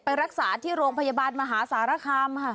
รักษาที่โรงพยาบาลมหาสารคามค่ะ